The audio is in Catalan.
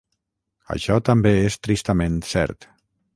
Això també és tristament cert.